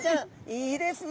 いいですね。